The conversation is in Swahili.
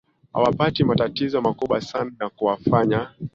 hawapati matatizo makubwa sana ya kuwafanya